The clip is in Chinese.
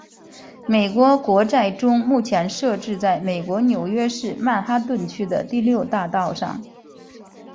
美国国债钟目前设置在美国纽约市曼哈顿区的第六大道上。